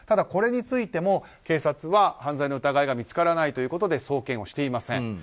これについても警察は犯罪の疑いが見つからないということで送検をしていません。